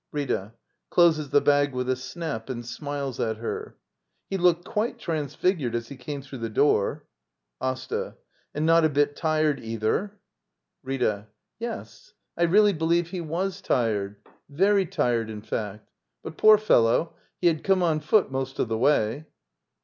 Rtta. [Closes the bag with a snap and smiles at her.] He looked quite transfigured as he came through the door. Asta. And not a bit tired, either? d by Google LITTLE EYOLF « Act i. Rita. Yes; I really believe he was tirad ^ very tired, in fact But, poor fellow, he had oome on foot most of the way.